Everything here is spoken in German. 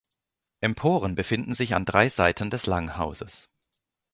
Emporen befinden sich an drei Seiten des Langhauses.